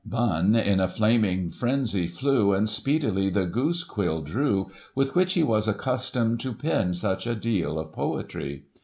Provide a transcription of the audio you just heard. BuNN in a flaming frenzy flew, And speedily the goose quill drew. With which he was accustomed to Pen such a deal of poetry.